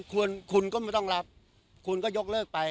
คุณก็ไม่ต้องรับคุณก็ยกเลิกไป